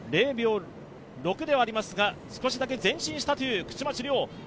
０秒６ではありますが、少しだけ前進したという口町亮。